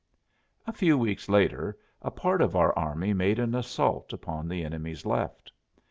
A few weeks later a part of our army made an assault upon the enemy's left.